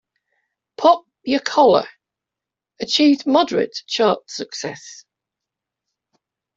"Pop Ya Collar" achieved moderate chart success.